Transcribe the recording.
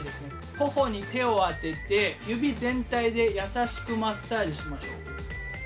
頬に手を当てて指全体で優しくマッサージしましょう。